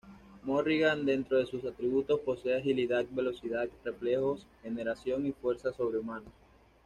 Morrigan dentro de sus atributos posee agilidad, velocidad, reflejos, regeneración y fuerza sobrehumanos.